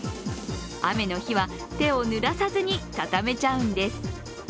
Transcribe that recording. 雨の日は手をぬらさずに畳めちゃうんです。